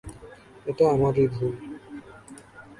এটা আমারই ভুল।